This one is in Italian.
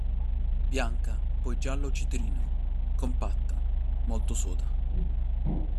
Bianca poi giallo-citrino, compatta, molto soda.